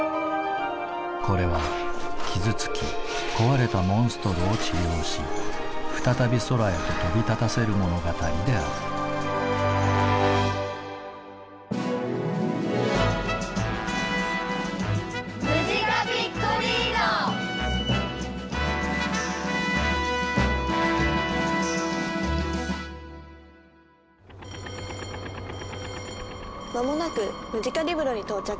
これは傷つき壊れたモンストロを治療し再び空へと飛び立たせる物語である間もなくムジカリブロに到着。